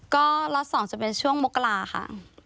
ก็ล็อต๒จะเป็นช่วงมกราค่ะ